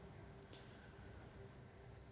kasus ini adalah memberikan